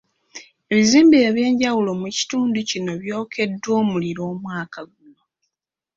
Ebizimbe eby'enjawulo mu kitundu kino byokyeddwa omuliro omwaka guno.